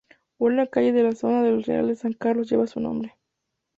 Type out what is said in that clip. Una calle de la zona del Real de San Carlos lleva su nombre.